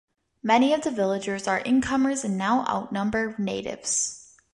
Many of the villagers are "incomers" and now outnumber "natives".